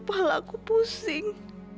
kepala aku pusing